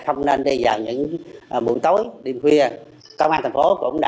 cha mẹ đi thân